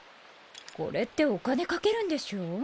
これってお金賭けるんでしょ？